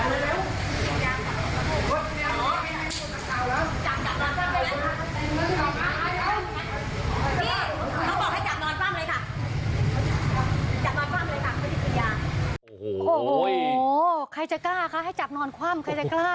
โอ้โหใครจะกล้าคะให้จับนอนคว่ำใครจะกล้า